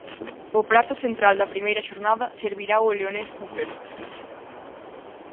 O prato central da primeira xornada servirao o leonés Cooper.